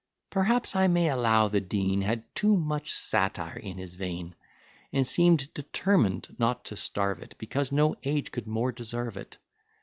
"Perhaps I may allow the Dean, Had too much satire in his vein; And seem'd determined not to starve it, Because no age could more deserve it.